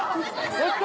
・・やった！